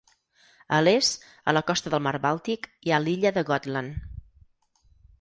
A l'est, a la costa del Mar Bàltic hi ha l'illa de Gotland.